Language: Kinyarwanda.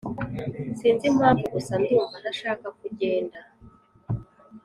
Sinzi impamvu gusa ndumva ntashaka ko ugenda